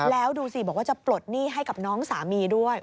แล้วดูสิบอกว่าจะปลดหนี้ให้กับน้องสามีด้วย